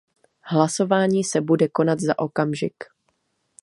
Hlasování se bude konat za okamžik.